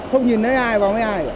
không nhìn thấy ai vào mấy ai